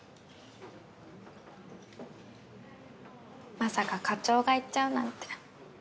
まさか課長が行っちゃうなんて。